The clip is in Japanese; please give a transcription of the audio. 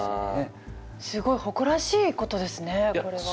すごい誇らしいことですねこれは。